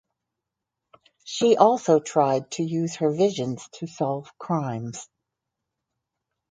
She also tried to use her visions to solve crimes.